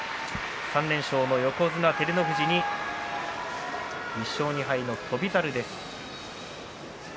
３連勝の横綱照ノ富士に１勝２敗の翔猿です。